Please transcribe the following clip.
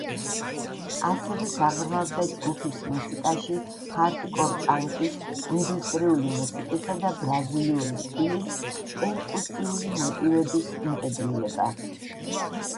ასევე გაღრმავდა ჯგუფის მუსიკაში ჰარდკორ პანკის, ინდუსტრიული მუსიკისა და ბრაზილიური სტილის პერკუსიული მოტივების ინტეგრირება.